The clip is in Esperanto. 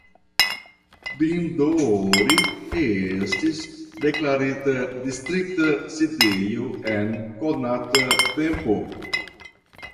Dindori estis deklarita distrikta sidejo en nekonata tempo.